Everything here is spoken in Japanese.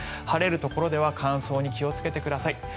晴れるところでは乾燥に気をつけてください。